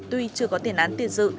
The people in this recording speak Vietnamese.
tuy chưa có tiền án tiền sự